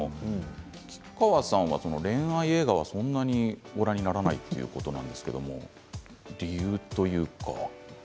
吉川さんは恋愛映画はそんなにご覧にならないということなんですけれども理由というか。